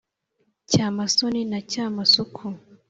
cyamasoni na cyamasuku